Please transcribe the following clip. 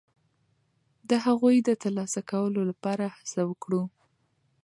د هغوی د ترلاسه کولو لپاره هڅه وکړو.